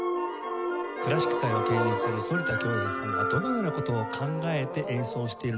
クラシック界を牽引する反田恭平さんがどのような事を考えて演奏しているのか。